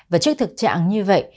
và trước thực trạng như vậy